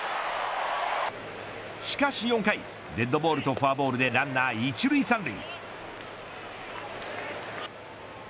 しかし４回デッドボールとフォアボールでランナー１塁、３塁。